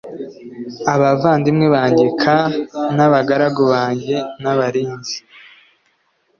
abavandimwe banjye k n abagaragu banjye n abarinzi